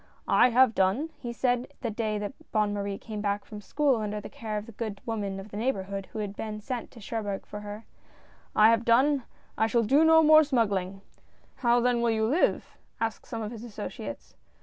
"I have done," he said the day that Bonne Marie came back from school under the care of the good woman of the neighborhood who had been sent to Cherbourg for her, " I have done — I shall do no more smuggling !"" And how then will you live ?" asked some of his associates.